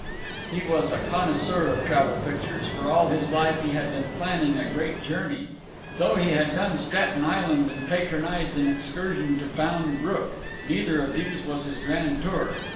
He was a connoisseur of travel pictures, for all his life he had been planning a great journey. Though he had done Staten Island and patronized an excursion to Bound Brook, neither of these was his grand tour.